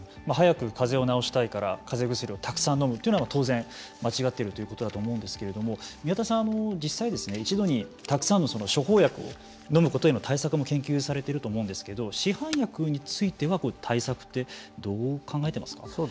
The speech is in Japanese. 早くかぜを治したいからかぜ薬をたくさんのむというのは当然間違っているということだと思うんですけれども宮田さん、実際一度にたくさんの処方薬をのむことへの対策も研究されていると思うんですけど市販薬については対策ってどう考えてますか。